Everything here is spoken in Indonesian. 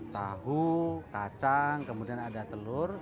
tahu kacang kemudian ada telur